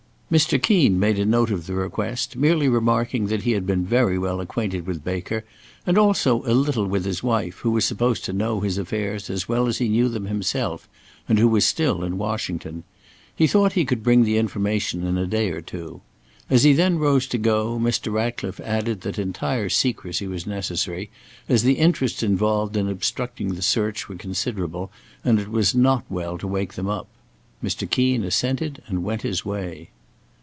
Mr. Keen made a note of the request, merely remarking that he had been very well acquainted with Baker, and also a little with his wife, who was supposed to know his affairs as well as he knew them himself; and who was still in Washington. He thought he could bring the information in a day or two. As he then rose to go, Mr. Ratcliffe added that entire secrecy was necessary, as the interests involved in obstructing the search were considerable, and it was not well to wake them up. Mr. Keen assented and went his way.